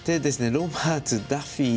ロバーツ、ダフィー